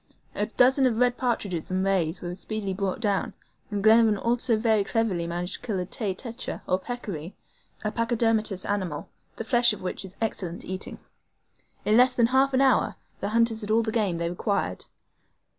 A dozen of red partridges and rays were speedily brought down, and Glenarvan also managed very cleverly to kill a TAY TETRE, or peccary, a pachydermatous animal, the flesh of which is excellent eating. In less than half an hour the hunters had all the game they required.